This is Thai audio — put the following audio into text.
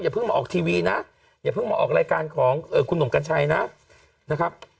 เพิ่งมาออกทีวีนะอย่าเพิ่งมาออกรายการของคุณหนุ่มกัญชัยนะครับ